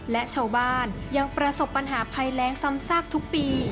และชาวบ้านยังประสบปัญหาภัยแรงซ้ำซากทุกปี